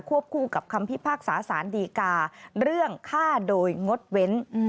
คู่กับคำพิพากษาสารดีกาเรื่องฆ่าโดยงดเว้น